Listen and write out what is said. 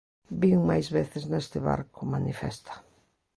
Vin máis veces neste barco, manifesta.